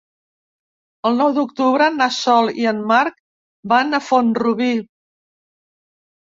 El nou d'octubre na Sol i en Marc van a Font-rubí.